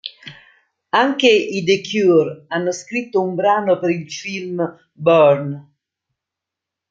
Anche i The Cure hanno scritto un brano per il film, "Burn".